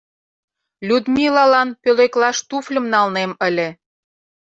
Людмилалан пӧлеклаш туфльым налнем ыле.